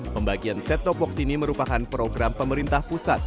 pembagian set top box ini merupakan program pemerintah pusat